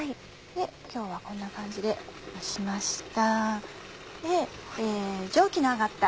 今日はこんな感じで蒸しました。